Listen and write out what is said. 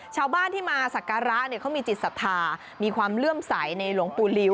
ชาวบ้านที่มาสักการะเนี่ยเขามีจิตศรัทธามีความเลื่อมใสในหลวงปู่ลิว